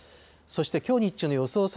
そしてきょう日中の予想